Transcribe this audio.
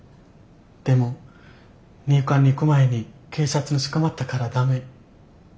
でも入管に行く前に警察に捕まったから駄目。